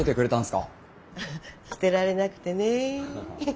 捨てられなくてね。